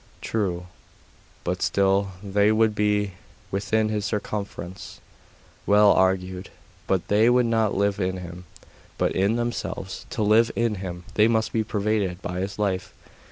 'True, but still they would be within His circumference.' 'Well argued. But yet they would not live in Him, but in themselves. To live in Him they must be pervaded by His life.